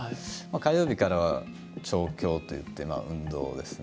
火曜日からは調教といって運動ですね。